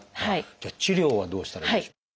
じゃあ治療はどうしたらいいでしょう？